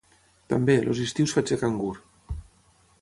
També, els estius faig de cangur.